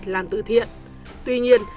làm tự thiện tuy nhiên